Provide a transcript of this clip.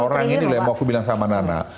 orang ini loh yang mau aku bilang sama nana